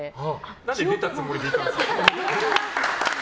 何で出たつもりでいたんですか。